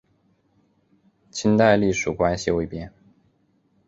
清代隶属关系未变。